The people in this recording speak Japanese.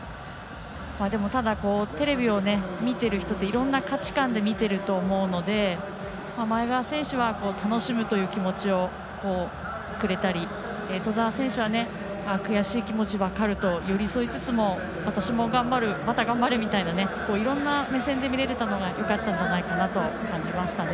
でも、ただテレビを見ている人っていろんな価値観で見てると思うので前川選手は楽しむという気持ちをくれたり兎澤選手は悔しい気持ち分かると寄り添いつつも、私も頑張るまた頑張るみたいないろんな目線で見れたのがよかったんじゃないかなと感じました。